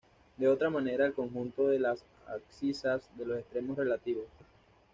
De otra manera el conjunto de las abscisas de los extremos relativos.